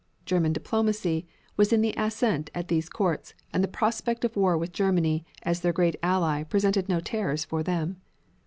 German diplomacy was in the ascendant at these courts and the prospect of war with Germany as their great ally presented no terrors for them.